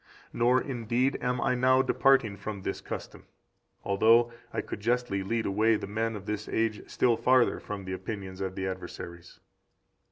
Nor, indeed, am I now departing far from this custom, although I could justly lead away the men of this age still farther from the opinions of the adversaries.